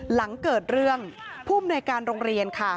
หลังเกิดเรื่องภูมิในการโรงเรียนค่ะ